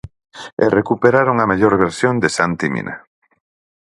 E recuperaron a mellor versión de Santi Mina.